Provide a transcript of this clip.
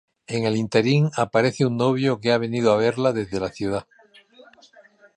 En el ínterin aparece un novio que ha venido a verla desde la ciudad.